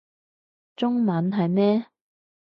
中文係咩